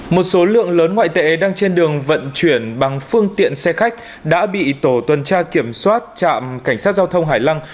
một số lượng lớn ngoại tệ đang trên đường vận chuyển bằng phương tiện xe khách đã bị tổ tuần tra kiểm soát trạm cảnh sát giao thông hải lăng